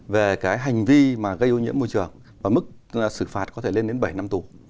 về cái hành vi mà gây ô nhiễm môi trường và mức xử phạt có thể lên đến bảy năm tù